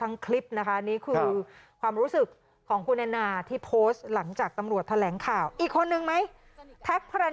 ทำไมเรียนทุกคนจะเอาหน้าใกล้กัน